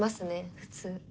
普通。